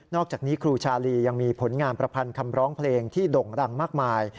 อกจากนี้ครูชาลียังมีผลงานประพันธ์คำร้องเพลงที่ด่งดังมากมาย